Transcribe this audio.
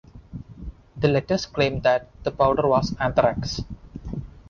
The letters claimed that the powder was anthrax.